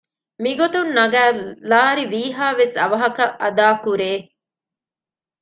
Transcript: މިގޮތުން ނަގައި ލާރި ވީހައިވެސް އަވަހަކަށް އަދާކުރޭ